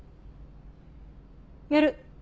やる。